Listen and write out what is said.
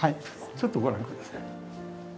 ちょっとご覧ください。